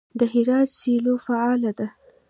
د هرات سیلو فعاله ده.